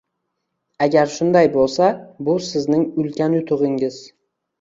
Agar shunday bo‘lsa, bu sizning ulkan yutug‘ingiz.